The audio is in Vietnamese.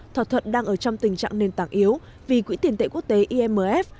thỏa thuận đang ở trong tình trạng nền tảng yếu vì quỹ tiền tệ quốc tế imf